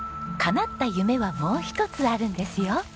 かなった夢はもう一つあるんですよ。